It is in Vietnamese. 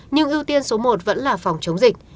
nhưng ưu tiên số một vẫn là phòng chống dịch